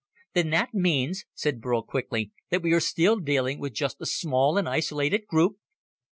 "Then that means," said Burl quickly, "that we are still dealing with just a small and isolated group?"